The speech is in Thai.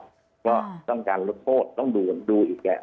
ก็ต้องการรบโทษต้องดูกันดูอีกแหละ